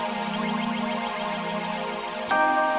sudah makan belum